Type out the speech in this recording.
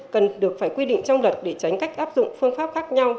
cần được phải quy định trong luật để tránh cách áp dụng phương pháp khác nhau